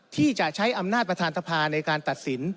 ที่จะใช้อำนาจประธานสภาในการตัดสิน